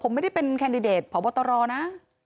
ผมไม่ได้เป็นแคนดิเดตพบตรนะ